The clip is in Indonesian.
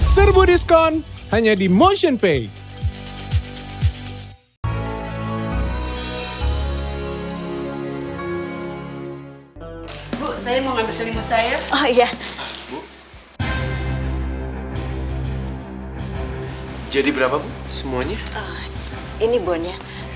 serbu diskon hanya di motionpay